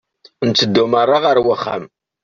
Nteddu merra ɣer uxxam.